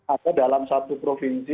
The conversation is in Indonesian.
ada dalam satu provinsi